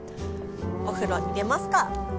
お風呂入れますか！